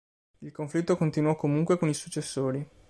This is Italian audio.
Il conflitto continuò comunque con i successori.